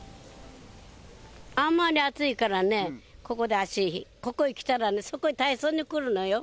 あんまり暑いからね、ここで足、ここへ来たらね、そこに体操に来るのよ。